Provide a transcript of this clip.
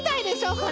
これ。